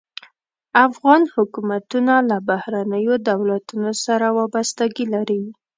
افغان حکومتونه له بهرنیو دولتونو سره وابستګي لري.